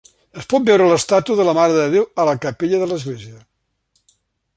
Es pot veure l'estàtua de la Mare de Déu a la capella de l'església.